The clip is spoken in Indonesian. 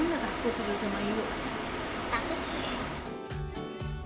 emang gak takut juga sama hiu